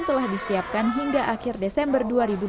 telah disiapkan hingga akhir desember dua ribu dua puluh